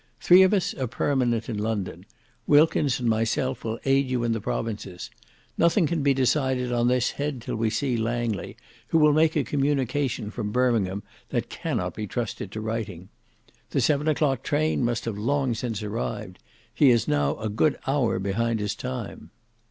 Three of us are permanent in London; Wilkins and myself will aid you in the provinces. Nothing can be decided on this head till we see Langley, who will make a communication from Birmingham that cannot be trusted to writing. The seven o'clock train must have long since arrived. He is now a good hour behind his time."